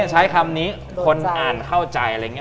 ใช้คำนี้คนอ่านเข้าใจอะไรอย่างนี้